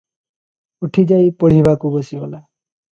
ଉଠି ଯାଇ ପଢ଼ିବାକୁ ବସିଗଲା।